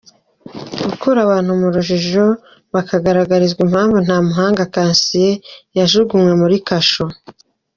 Gukura abantu mu rujijo bakagaragaza impamvu Ntamuhanga Cassien yajugunywe mu cachot.